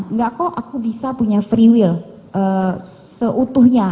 enggak kok aku bisa punya free will seutuhnya